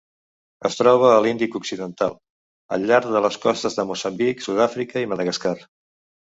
Es troba a l'Índic occidental: al llarg de les costes de Moçambic, Sud-àfrica i Madagascar.